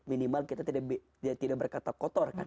minimal kita tidak berkata kotor kan